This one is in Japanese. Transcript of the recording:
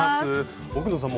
奥野さん